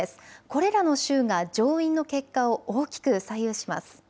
これらの州が上院の結果を大きく左右します。